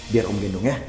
biar om gendong ya